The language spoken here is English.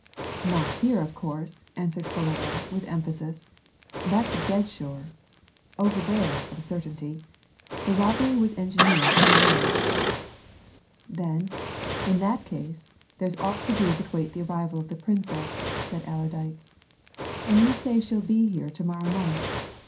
"Not here, of course!" answered Fullaway, with emphasis. "That's dead sure. Over there, of a certainty. The robbery was engineered from there." "Then, in that case, there's naught to do but wait the arrival of the Princess," said Allerdyke. "And you say she'll be here to morrow night.